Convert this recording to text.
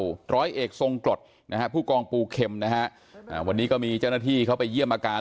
ร้อยเอกทรงกรดนะฮะผู้กองปูเข็มนะฮะวันนี้ก็มีเจ้าหน้าที่เข้าไปเยี่ยมอาการ